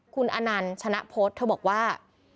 คุณอนันต์ชนะพฤษเธอบอกว่า